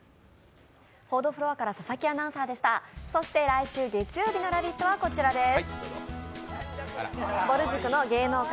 来週月曜日の「ラヴィット！」はこちらです。